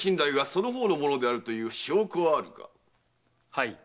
はい。